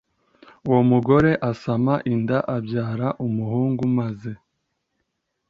uwo mugore asama inda abyara umuhungu maze